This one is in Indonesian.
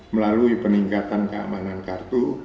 melalui peningkatan keamanan kartu